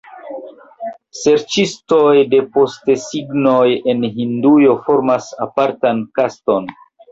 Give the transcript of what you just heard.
Serĉistoj de postesignoj en Hindujo formas apartan kaston.